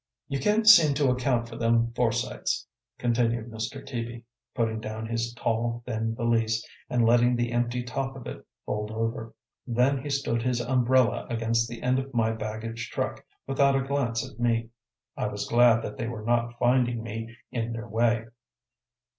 "You can't seem to account for them foresights," continued Mr. Teaby, putting down his tall, thin valise and letting the empty top of it fold over. Then he stood his umbrella against the end of my baggage truck, without a glance at me. I was glad that they were not finding me in their way.